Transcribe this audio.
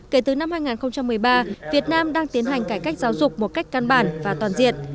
kể từ năm hai nghìn một mươi ba việt nam đang tiến hành cải cách giáo dục một cách căn bản và toàn diện